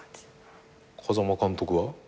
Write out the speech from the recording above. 風間監督は？